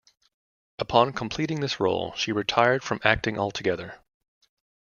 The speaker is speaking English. Upon completing this role, she retired from acting altogether.